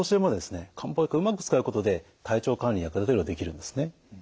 漢方薬をうまく使うことで体調管理に役立てることができるんですね。